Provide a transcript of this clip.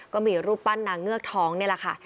ก็มีรูปปั้นนางเงือกทองนี่แหละค่ะ